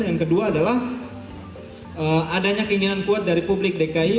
yang kedua adalah adanya keinginan kuat dari publik dki